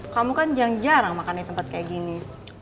kamu kan jarang makan di tempat kayak gini